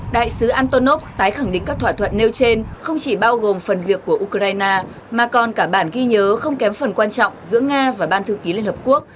đại sứ antonov tái khẳng định các thỏa thuận nêu trên không chỉ bao gồm phần việc của ukraine mà còn cả bản ghi nhớ không kém phần quan trọng giữa nga và ban thư ký liên hợp quốc